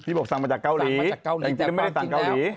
บอกสั่งมาจากเกาหลีแต่จริงไม่ได้สั่งเกาหลี